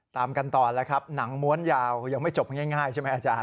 ตามกันต่อแล้วครับหนังม้วนยาวยังไม่จบง่ายใช่ไหมอาจารย์